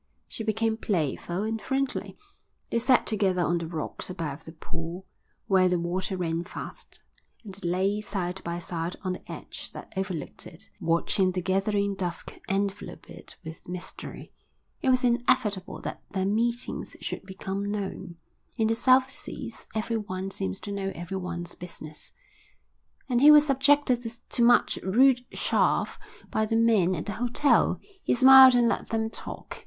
She became playful and friendly. They sat together on the rocks above the pool, where the water ran fast, and they lay side by side on the ledge that overlooked it, watching the gathering dusk envelop it with mystery. It was inevitable that their meetings should become known in the South Seas everyone seems to know everyone's business and he was subjected to much rude chaff by the men at the hotel. He smiled and let them talk.